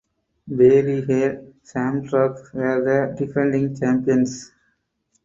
Ballyhale Shamrocks were the defending champions.